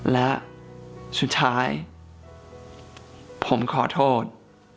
และสุดท้ายผมขอโทษ